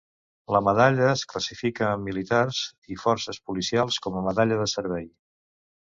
La medalla es classifica en militars i forces policials com a medalla de servei.